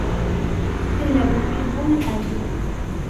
كلا بل تحبون العاجلة